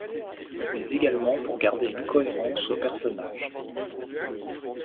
Mais également pour garder une cohérence aux personnages.